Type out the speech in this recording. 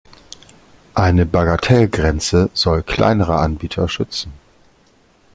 Eine Bagatellgrenze soll kleinere Anbieter schützen.